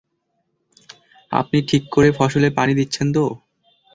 আপনি ঠিক করে ফসলে পানি দিচ্ছেন তো?